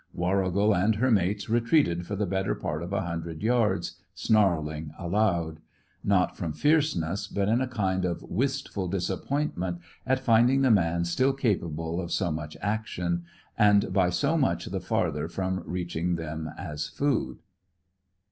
Warrigal and her mates retreated for the better part of a hundred yards, snarling aloud; not from fierceness, but in a kind of wistful disappointment at finding the man still capable of so much action, and by so much the farther from reaching them as food.